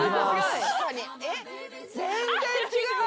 全然違う。